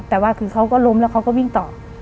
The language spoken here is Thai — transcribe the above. แต่ว่าคือเขาก็ล้มแล้วเขาก็วิ่งต่อ